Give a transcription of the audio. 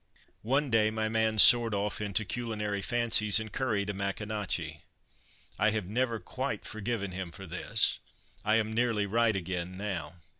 One day my man soared off into culinary fancies and curried a Maconochie. I have never quite forgiven him for this; I am nearly right again now.